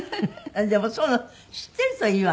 でもそういうの知っているといいわね。